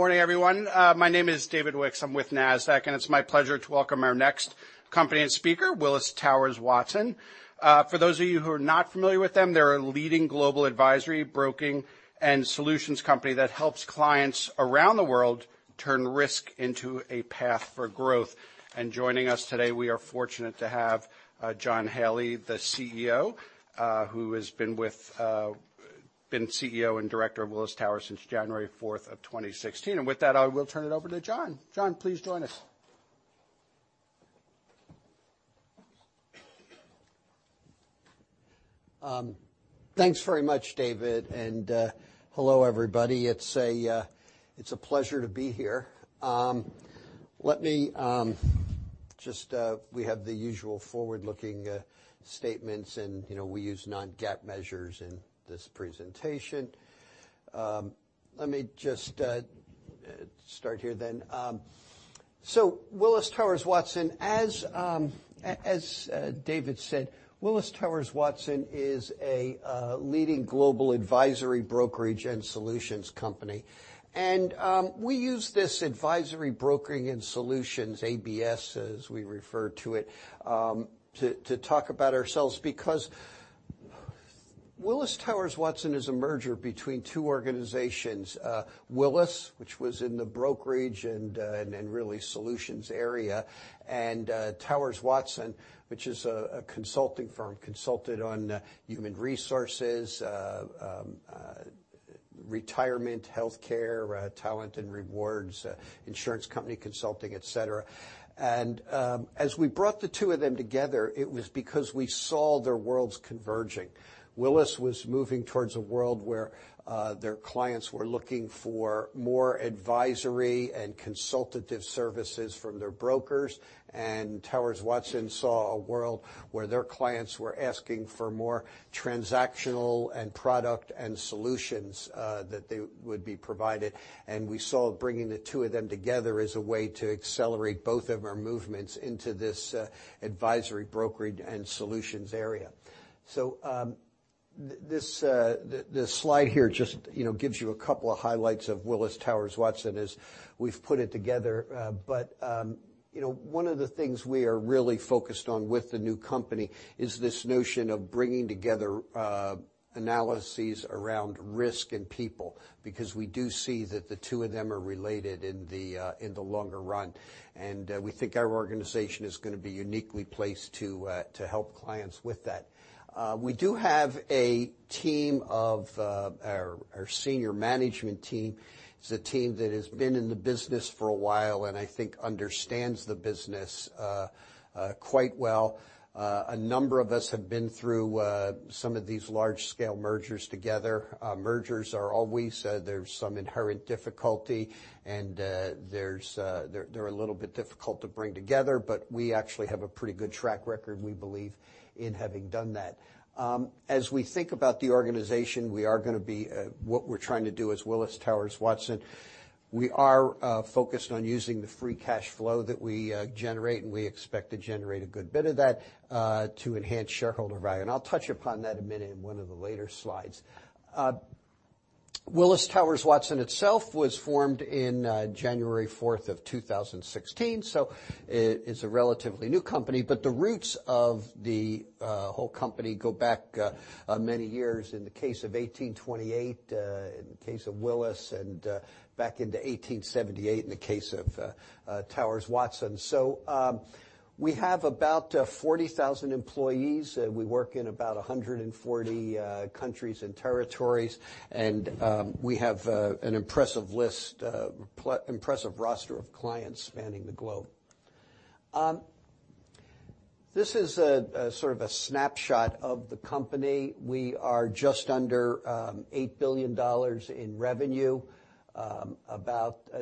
Morning, everyone. My name is David Wicks. I'm with Nasdaq, and it's my pleasure to welcome our next company and speaker, Willis Towers Watson. For those of you who are not familiar with them, they're a leading global advisory, broking, and solutions company that helps clients around the world turn risk into a path for growth. Joining us today, we are fortunate to have John Haley, the CEO, who has been CEO and director of Willis Towers since January 4th of 2016. With that, I will turn it over to John. John, please join us. Thanks very much, David, hello, everybody. It's a pleasure to be here. We have the usual forward-looking statements, we use non-GAAP measures in this presentation. Let me just start here. Willis Towers Watson, as David said, Willis Towers Watson is a leading global advisory, brokerage, and solutions company. We use this advisory, brokering, and solutions, ABS, as we refer to it, to talk about ourselves because Willis Towers Watson is a merger between two organizations, Willis, which was in the brokerage and really solutions area, and Towers Watson, which is a consulting firm, consulted on human resources, retirement, healthcare, talent and rewards, insurance company consulting, et cetera. As we brought the two of them together, it was because we saw their worlds converging. Willis was moving towards a world where their clients were looking for more advisory and consultative services from their brokers, and Towers Watson saw a world where their clients were asking for more transactional and product and solutions that they would be provided. We saw bringing the two of them together as a way to accelerate both of our movements into this advisory, brokerage, and solutions area. This slide here just gives you a couple of highlights of Willis Towers Watson as we've put it together. One of the things we are really focused on with the new company is this notion of bringing together analyses around risk and people, because we do see that the two of them are related in the longer run. We think our organization is going to be uniquely placed to help clients with that. We do have our senior management team. It's a team that has been in the business for a while, I think understands the business quite well. A number of us have been through some of these large-scale mergers together. Mergers are always, there's some inherent difficulty, they're a little bit difficult to bring together, we actually have a pretty good track record, we believe, in having done that. As we think about the organization, what we're trying to do as Willis Towers Watson, we are focused on using the free cash flow that we generate, we expect to generate a good bit of that, to enhance shareholder value. I'll touch upon that a minute in one of the later slides. Willis Towers Watson itself was formed in January 4th of 2016, it's a relatively new company, but the roots of the whole company go back many years. In the case of 1828, in the case of Willis, and back into 1878 in the case of Towers Watson. We have about 40,000 employees. We work in about 140 countries and territories, and we have an impressive roster of clients spanning the globe. This is sort of a snapshot of the company. We are just under $8 billion in revenue.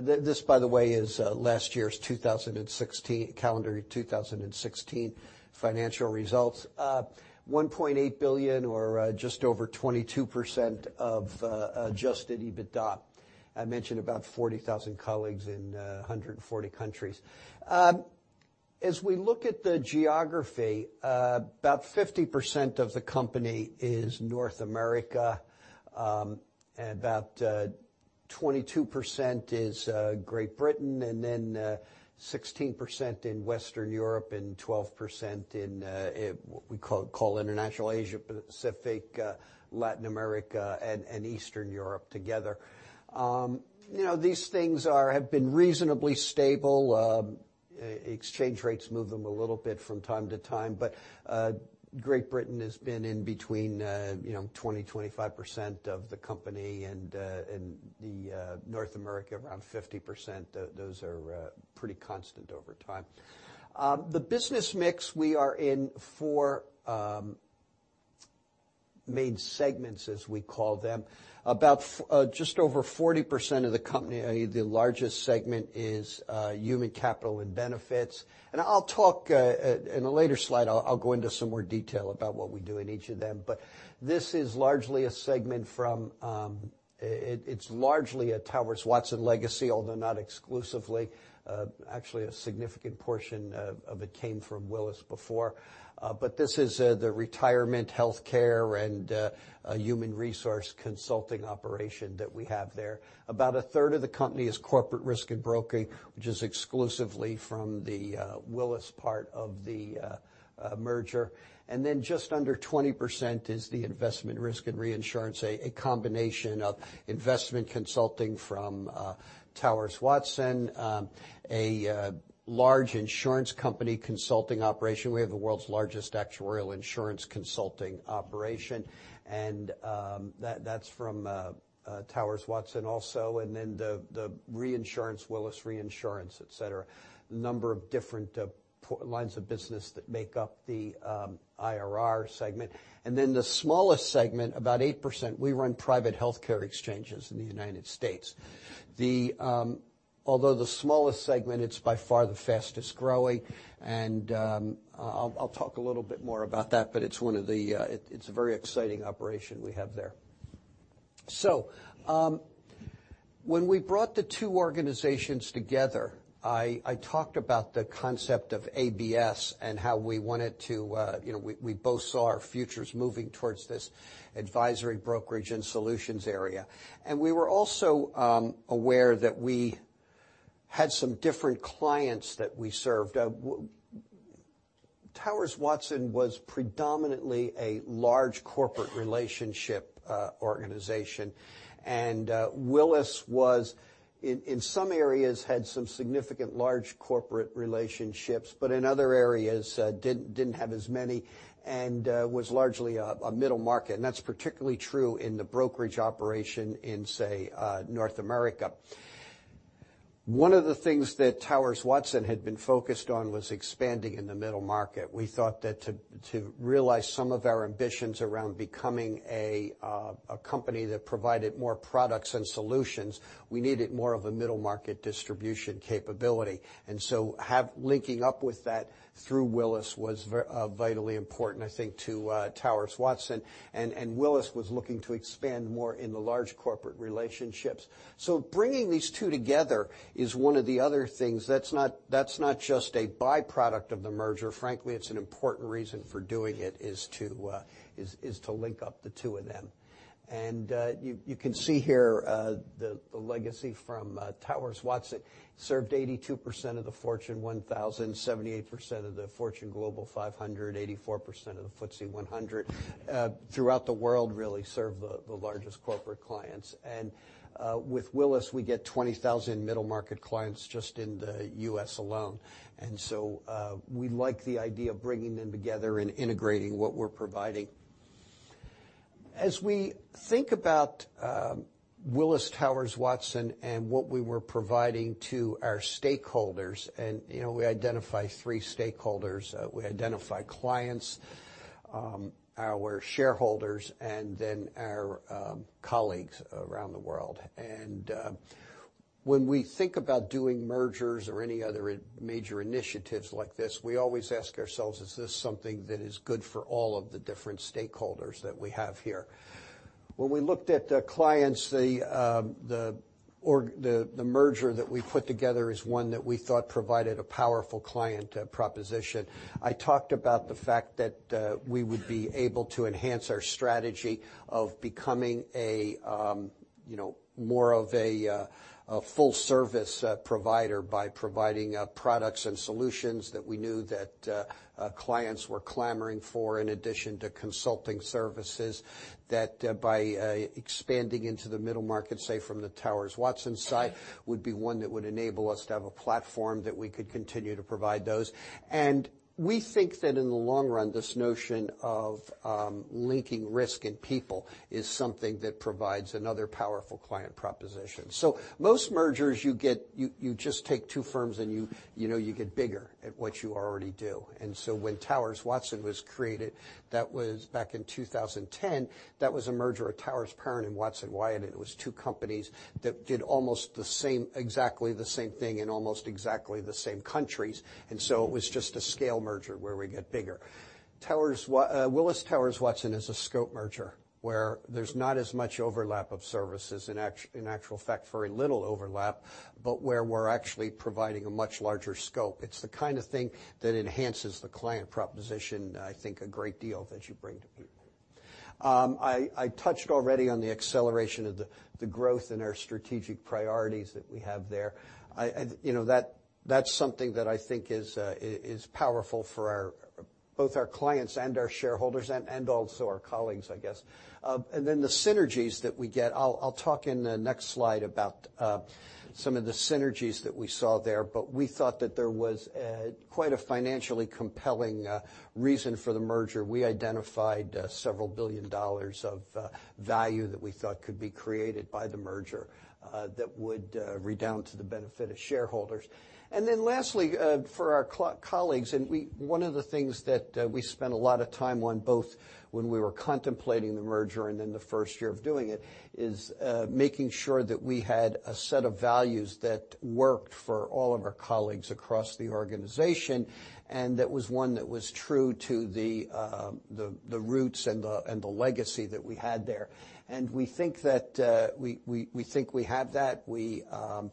This, by the way, is last year's calendar 2016 financial results. $1.8 billion or just over 22% of adjusted EBITDA. I mentioned about 40,000 colleagues in 140 countries. As we look at the geography, about 50% of the company is North America, about 22% is Great Britain, 16% in Western Europe and 12% in what we call international Asia Pacific, Latin America, and Eastern Europe together. These things have been reasonably stable. Exchange rates move them a little bit from time to time. Great Britain has been in between 20%-25% of the company, and North America around 50%. Those are pretty constant over time. The business mix we are in main segments, as we call them. About just over 40% of the company, the largest segment is Human Capital and Benefits. In a later slide, I'll go into some more detail about what we do in each of them. This is largely a Towers Watson legacy, although not exclusively. Actually, a significant portion of it came from Willis before. This is the retirement, healthcare, and human resource consulting operation that we have there. About a third of the company is Corporate Risk and Broking, which is exclusively from the Willis part of the merger. Just under 20% is the Investment, Risk and Reinsurance, a combination of investment consulting from Towers Watson, a large insurance company consulting operation. We have the world's largest actuarial insurance consulting operation, and that's from Towers Watson also. The reinsurance, Willis Re, et cetera. A number of different lines of business that make up the IRR segment. The smallest segment, about 8%, we run private healthcare exchanges in the U.S. Although the smallest segment, it's by far the fastest-growing, and I'll talk a little bit more about that, but it's a very exciting operation we have there. When we brought the two organizations together, I talked about the concept of ABS and how we both saw our futures moving towards this advisory, brokerage, and solutions area. We were also aware that we had some different clients that we served. Towers Watson was predominantly a large corporate relationship organization. Willis was, in some areas, had some significant large corporate relationships, but in other areas, didn't have as many, and was largely a middle market. That's particularly true in the brokerage operation in, say, North America. One of the things that Towers Watson had been focused on was expanding in the middle market. We thought that to realize some of our ambitions around becoming a company that provided more products and solutions, we needed more of a middle-market distribution capability. Linking up with that through Willis was vitally important, I think, to Towers Watson. Willis was looking to expand more in the large corporate relationships. Bringing these two together is one of the other things that's not just a byproduct of the merger. Frankly, it's an important reason for doing it, is to link up the two of them. You can see here, the legacy from Towers Watson served 82% of the Fortune 1000, 78% of the Fortune Global 500, 84% of the FTSE 100. Throughout the world, really, served the largest corporate clients. With Willis, we get 20,000 middle-market clients just in the U.S. alone. We like the idea of bringing them together and integrating what we're providing. As we think about Willis Towers Watson and what we were providing to our stakeholders, we identify three stakeholders. We identify clients, our shareholders, and then our colleagues around the world. When we think about doing mergers or any other major initiatives like this, we always ask ourselves, "Is this something that is good for all of the different stakeholders that we have here?" When we looked at the clients, the merger that we put together is one that we thought provided a powerful client proposition. I talked about the fact that we would be able to enhance our strategy of becoming more of a full-service provider by providing products and solutions that we knew that clients were clamoring for, in addition to consulting services. That by expanding into the middle market, say from the Towers Watson side, would be one that would enable us to have a platform that we could continue to provide those. We think that in the long run, this notion of linking risk and people is something that provides another powerful client proposition. Most mergers you get, you just take two firms, and you get bigger at what you already do. When Towers Watson was created, that was back in 2010, that was a merger of Towers Perrin and Watson Wyatt, and it was two companies that did almost exactly the same thing in almost exactly the same countries. It was just a scale merger where we get bigger. Willis Towers Watson is a scope merger, where there's not as much overlap of services. In actual fact, very little overlap, but where we're actually providing a much larger scope. It's the kind of thing that enhances the client proposition, I think, a great deal that you bring to people. I touched already on the acceleration of the growth in our strategic priorities that we have there. That's something that I think is powerful for both our clients and our shareholders and also our colleagues, I guess. The synergies that we get, I'll talk in the next slide about some of the synergies that we saw there, but we thought that there was quite a financially compelling reason for the merger. We identified several billion dollars of value that we thought could be created by the merger that would redound to the benefit of shareholders. Lastly, for our colleagues, one of the things that we spent a lot of time on, both when we were contemplating the merger and in the first year of doing it, is making sure that we had a set of values that worked for all of our colleagues across the organization, that was one that was true to the roots and the legacy that we had there. We think we have that.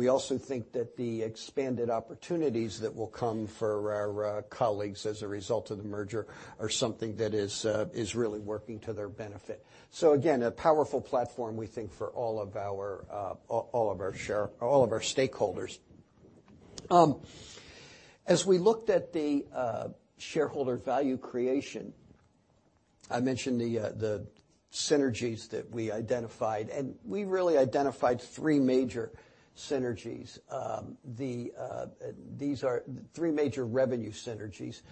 We also think that the expanded opportunities that will come for our colleagues as a result of the merger are something that is really working to their benefit. Again, a powerful platform, we think, for all of our stakeholders. As we looked at the shareholder value creation, I mentioned the synergies that we identified, we really identified three major synergies. These are three major revenue synergies.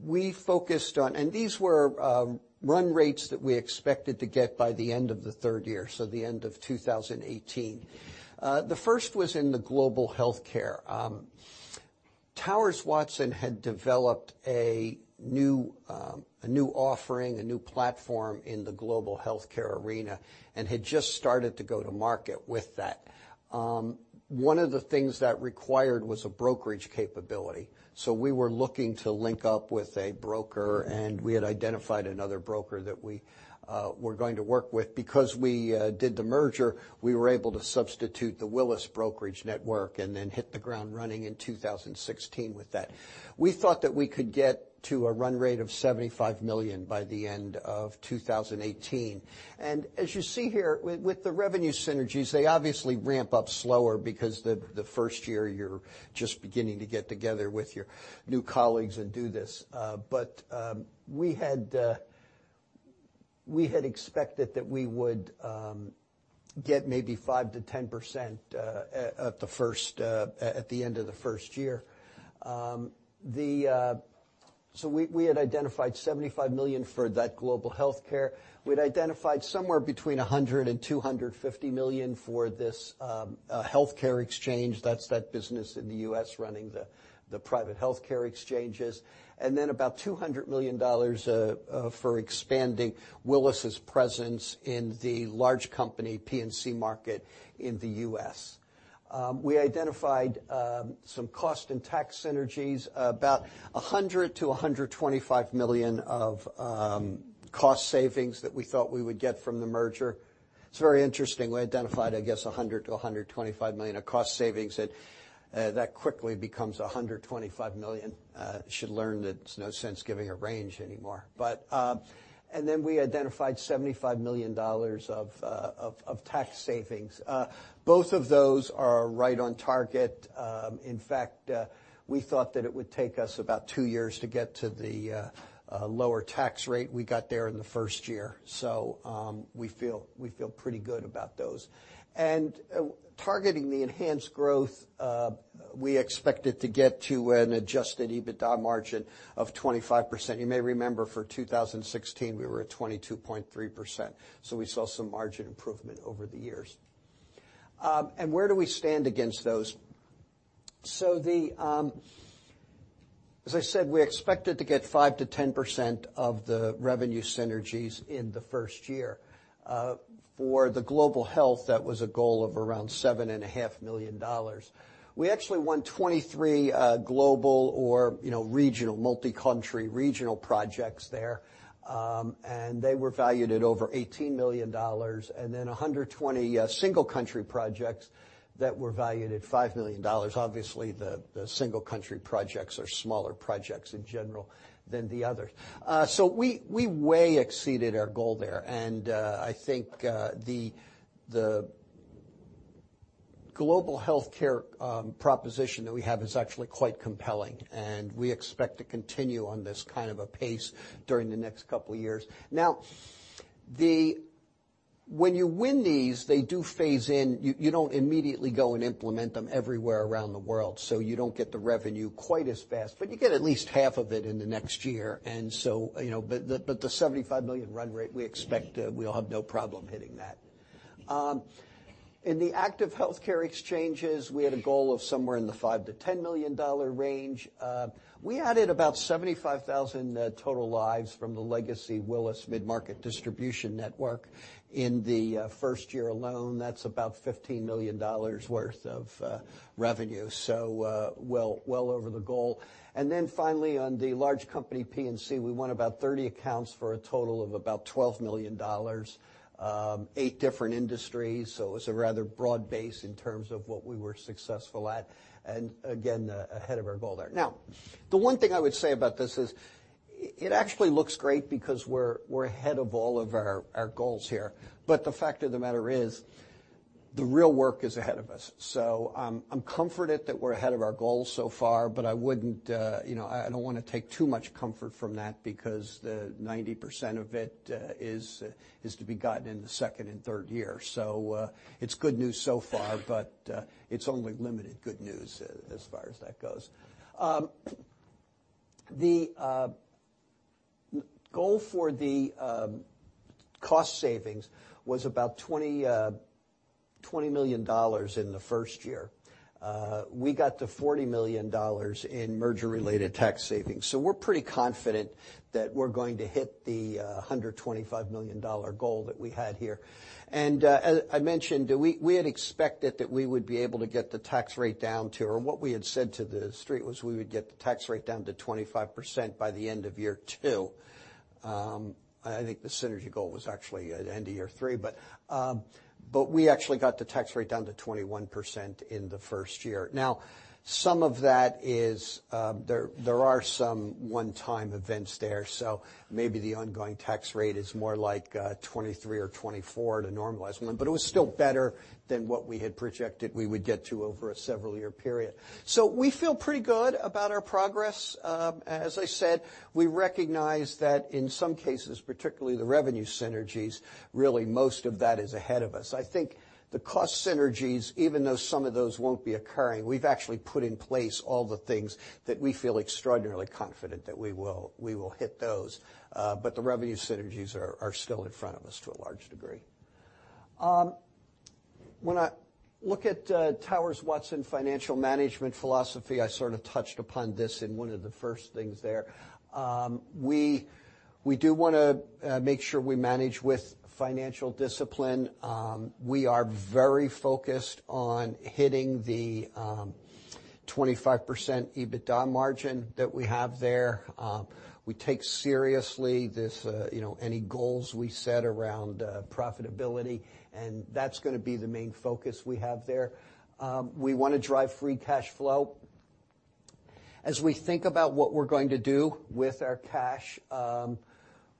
We focused on, these were run rates that we expected to get by the end of the third year, so the end of 2018. The first was in the global healthcare. Towers Watson had developed a new offering, a new platform in the global healthcare arena and had just started to go to market with that. One of the things that required was a brokerage capability. We were looking to link up with a broker, we had identified another broker that we were going to work with. Because we did the merger, we were able to substitute the Willis brokerage network then hit the ground running in 2016 with that. We thought that we could get to a run rate of $75 million by the end of 2018. As you see here, with the revenue synergies, they obviously ramp up slower because the first year, you're just beginning to get together with your new colleagues and do this. We had expected that we would get maybe 5%-10% at the end of the first year. We had identified $75 million for that global healthcare. We'd identified somewhere between $100 million-$250 million for this healthcare exchange. That's that business in the U.S. running the private healthcare exchanges, then about $200 million for expanding Willis's presence in the large company P&C market in the U.S. We identified some cost and tax synergies, about $100 million-$125 million of cost savings that we thought we would get from the merger. It's very interesting. We identified, I guess, $100 million-$125 million of cost savings, that quickly becomes $125 million. Should learn that it's no sense giving a range anymore. Then we identified $75 million of tax savings. Both of those are right on target. In fact, we thought that it would take us about two years to get to the lower tax rate. We got there in the first year. We feel pretty good about those. Targeting the enhanced growth, we expected to get to an adjusted EBITDA margin of 25%. You may remember for 2016, we were at 22.3%, we saw some margin improvement over the years. Where do we stand against those? As I said, we expected to get 5%-10% of the revenue synergies in the first year. For the global health, that was a goal of around $7.5 million. We actually won 23 global or regional, multi-country regional projects there, and they were valued at over $18 million, and then 120 single country projects that were valued at $5 million. Obviously, the single country projects are smaller projects in general than the others. We way exceeded our goal there, and I think the global healthcare proposition that we have is actually quite compelling, and we expect to continue on this kind of a pace during the next couple of years. When you win these, they do phase in. You don't immediately go and implement them everywhere around the world, so you don't get the revenue quite as fast, but you get at least half of it in the next year. The $75 million run rate, we expect we'll have no problem hitting that. In the active healthcare exchanges, we had a goal of somewhere in the $5 million-$10 million range. We added about 75,000 total lives from the legacy Willis mid-market distribution network in the first year alone. That's about $15 million worth of revenue. Finally, on the large company P&C, we won about 30 accounts for a total of about $12 million. Eight different industries, so it was a rather broad base in terms of what we were successful at, and again, ahead of our goal there. The one thing I would say about this is It actually looks great because we're ahead of all of our goals here. The fact of the matter is the real work is ahead of us. I'm comforted that we're ahead of our goals so far, but I don't want to take too much comfort from that because 90% of it is to be gotten in the second and third year. It's good news so far, but it's only limited good news as far as that goes. The goal for the cost savings was about $20 million in the first year. We got to $40 million in merger-related tax savings. We're pretty confident that we're going to hit the $125 million goal that we had here. As I mentioned, we had expected that we would be able to get the tax rate down to, or what we had said to the street was we would get the tax rate down to 25% by the end of year two. I think the synergy goal was actually at end of year three, but we actually got the tax rate down to 21% in the first year. Some of that is, there are some one-time events there, so maybe the ongoing tax rate is more like 23 or 24 to normalize. It was still better than what we had projected we would get to over a several-year period. We feel pretty good about our progress. As I said, we recognize that in some cases, particularly the revenue synergies, really most of that is ahead of us. I think the cost synergies, even though some of those won't be occurring, we've actually put in place all the things that we feel extraordinarily confident that we will hit those. The revenue synergies are still in front of us to a large degree. When I look at Towers Watson financial management philosophy, I sort of touched upon this in one of the first things there. We do want to make sure we manage with financial discipline. We are very focused on hitting the 25% EBITDA margin that we have there. We take seriously any goals we set around profitability, and that's going to be the main focus we have there. We want to drive free cash flow. As we think about what we're going to do with our cash,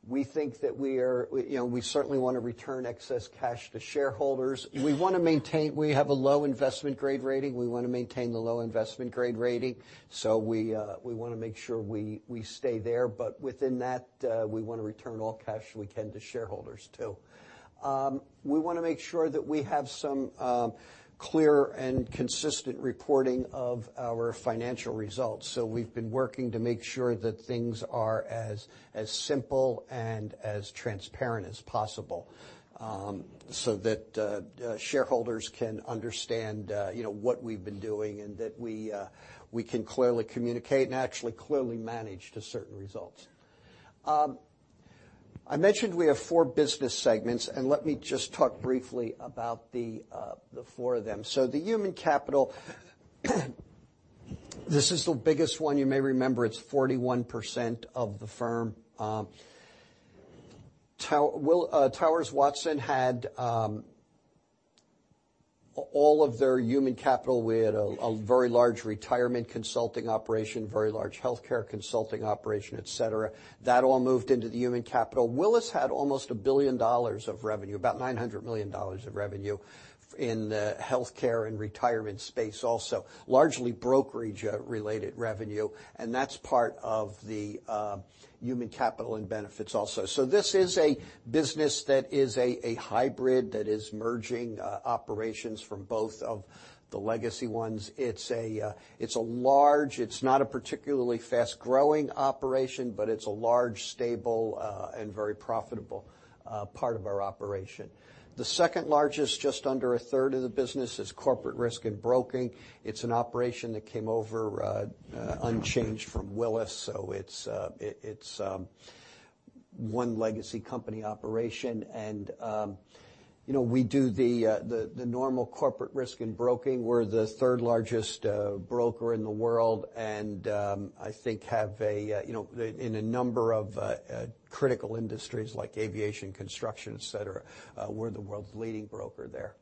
we think that we certainly want to return excess cash to shareholders. We have a low investment grade rating. We want to maintain the low investment grade rating. Within that, we want to return all cash we can to shareholders, too. We want to make sure that we have some clear and consistent reporting of our financial results. We've been working to make sure that things are as simple and as transparent as possible so that shareholders can understand what we've been doing and that we can clearly communicate and actually clearly manage to certain results. I mentioned we have four business segments. Let me just talk briefly about the four of them. The Human Capital, this is the biggest one. You may remember it's 41% of the firm. Towers Watson had all of their Human Capital. We had a very large retirement consulting operation, very large healthcare consulting operation, et cetera. That all moved into the Human Capital. Willis had almost $1 billion of revenue, about $900 million of revenue in the healthcare and retirement space also, largely brokerage-related revenue, and that's part of the Human Capital and Benefits also. This is a business that is a hybrid that is merging operations from both of the legacy ones. It's large. It's not a particularly fast-growing operation, but it's a large, stable, and very profitable part of our operation. The second largest, just under a third of the business, is Corporate Risk and Broking. It's an operation that came over unchanged from Willis, so it's one legacy company operation. We do the normal Corporate Risk and Broking. We're the third largest broker in the world, and I think in a number of critical industries like aviation, construction, et cetera, we're the world's leading broker there.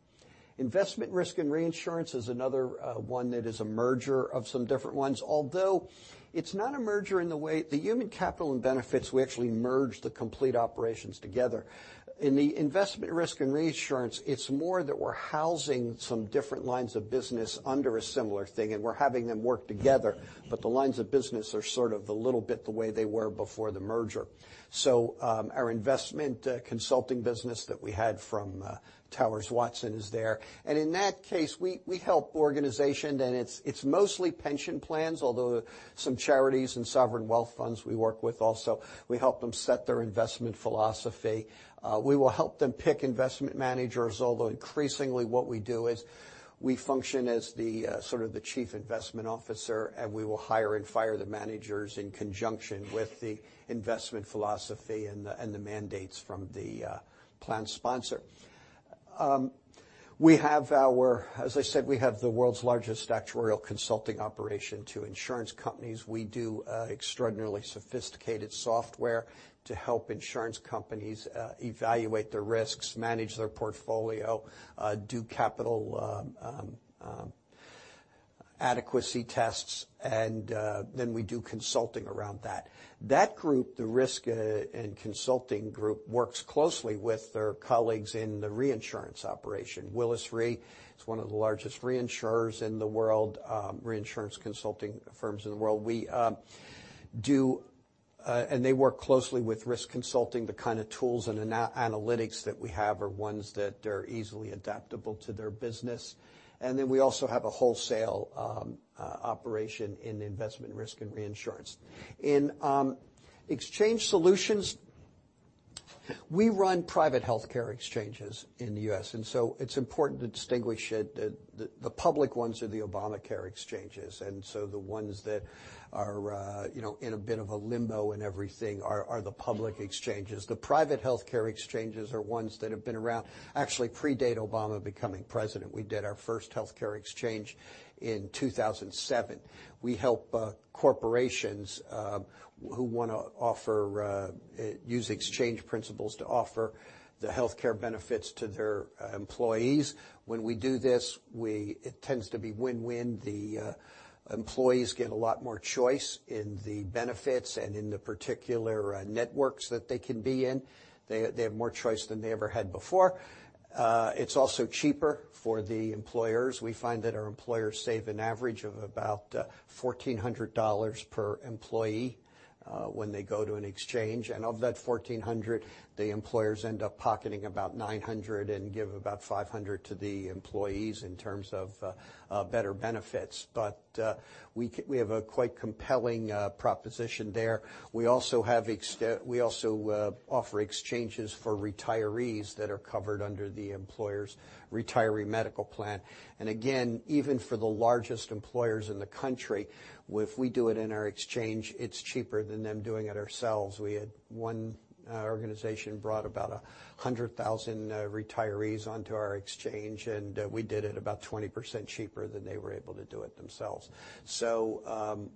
Investment, Risk and Reinsurance is another one that is a merger of some different ones, although it's not a merger in the way the Human Capital and Benefits, we actually merged the complete operations together. In the Investment, Risk and Reinsurance, it's more that we're housing some different lines of business under a similar thing, and we're having them work together, but the lines of business are sort of a little bit the way they were before the merger. Our investment consulting business that we had from Towers Watson is there. In that case, we help organization, and it's mostly pension plans, although some charities and sovereign wealth funds we work with also. We help them set their investment philosophy. We will help them pick investment managers, although increasingly what we do is we function as sort of the chief investment officer, and we will hire and fire the managers in conjunction with the investment philosophy and the mandates from the plan sponsor. As I said, we have the world's largest actuarial consulting operation to insurance companies. We do extraordinarily sophisticated software to help insurance companies evaluate their risks, manage their portfolio, do capital adequacy tests, and then we do consulting around that. That group, the risk and consulting group, works closely with their colleagues in the reinsurance operation. Willis Re is one of the largest reinsurance consulting firms in the world. They work closely with risk consulting. The kind of tools and analytics that we have are ones that are easily adaptable to their business. We also have a wholesale operation in Investment, Risk and Reinsurance. In Exchange Solutions, we run private healthcare exchanges in the U.S. It's important to distinguish it. The public ones are the Obamacare exchanges. The ones that are in a bit of a limbo and everything are the public exchanges. The private healthcare exchanges are ones that have been around, actually predate Obama becoming president. We did our first healthcare exchange in 2007. We help corporations who want to use exchange principles to offer the healthcare benefits to their employees. When we do this, it tends to be win-win. The employees get a lot more choice in the benefits and in the particular networks that they can be in. They have more choice than they ever had before. It's also cheaper for the employers. We find that our employers save an average of about $1,400 per employee when they go to an exchange. Of that 1,400, the employers end up pocketing about 900 and give about 500 to the employees in terms of better benefits. We have a quite compelling proposition there. We also offer exchanges for retirees that are covered under the employer's retiree medical plan. Again, even for the largest employers in the country, if we do it in our exchange, it's cheaper than them doing it themselves. We had one organization bring about 100,000 retirees onto our exchange, and we did it about 20% cheaper than they were able to do it themselves.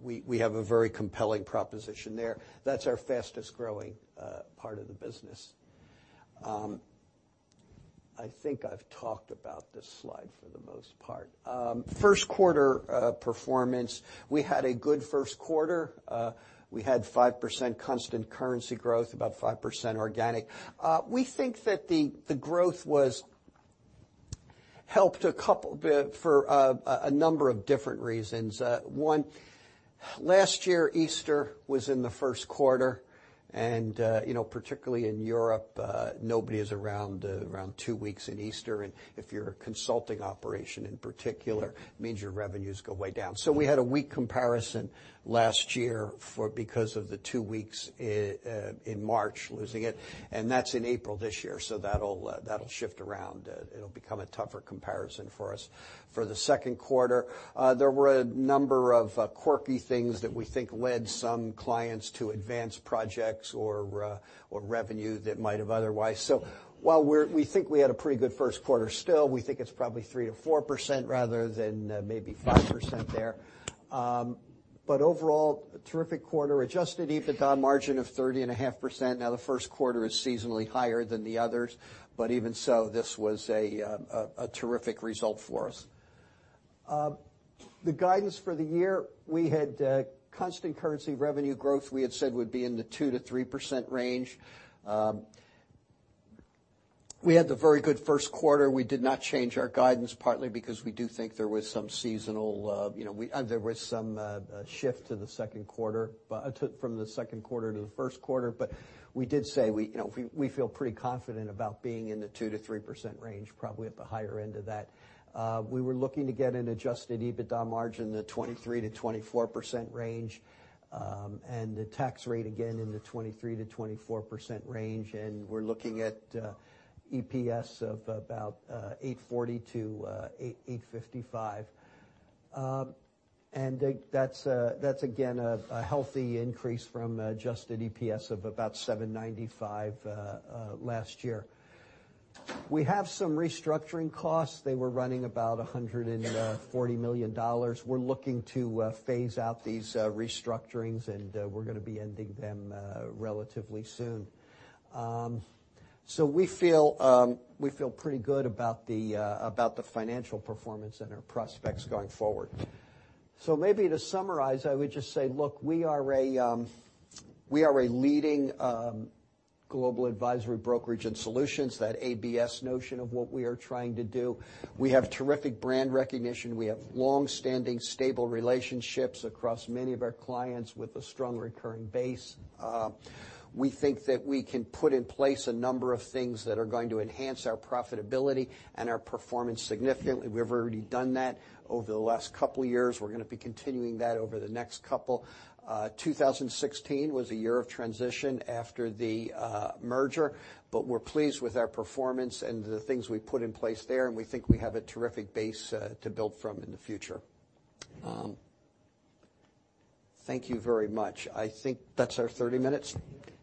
We have a very compelling proposition there. That's our fastest-growing part of the business. I think I've talked about this slide for the most part. First quarter performance, we had a good first quarter. We had 5% constant currency growth, about 5% organic. We think that the growth was helped a couple bit for a number of different reasons. One, last year, Easter was in the first quarter, and particularly in Europe, nobody is around two weeks in Easter, and if you're a consulting operation, in particular, it means your revenues go way down. We had a weak comparison last year because of the two weeks in March losing it, and that'll shift around. It'll become a tougher comparison for us. For the second quarter, there were a number of quirky things that we think led some clients to advance projects or revenue that might have otherwise. While we think we had a pretty good first quarter, still, we think it's probably 3%-4% rather than maybe 5% there. Overall, terrific quarter, adjusted EBITDA margin of 30.5%. The first quarter is seasonally higher than the others, even so, this was a terrific result for us. The guidance for the year, we had constant currency revenue growth we had said would be in the 2%-3% range. We had the very good first quarter. We did not change our guidance, partly because we do think there was some seasonal, there was some shift from the second quarter to the first quarter. We did say we feel pretty confident about being in the 2%-3% range, probably at the higher end of that. We were looking to get an adjusted EBITDA margin in the 23%-24% range. The tax rate, again, in the 23%-24% range. We're looking at EPS of about $8.40-$8.55. That's, again, a healthy increase from adjusted EPS of about $7.95 last year. We have some restructuring costs. They were running about $140 million. We're looking to phase out these restructurings, we're going to be ending them relatively soon. We feel pretty good about the financial performance and our prospects going forward. Maybe to summarize, I would just say, look, we are a leading global advisory, brokerage, and solutions, that ABS notion of what we are trying to do. We have terrific brand recognition. We have long-standing, stable relationships across many of our clients with a strong recurring base. We think that we can put in place a number of things that are going to enhance our profitability and our performance significantly. We've already done that over the last couple of years. We're going to be continuing that over the next couple. 2016 was a year of transition after the merger, we're pleased with our performance and the things we put in place there, we think we have a terrific base to build from in the future. Thank you very much. I think that's our 30 minutes. Thank you.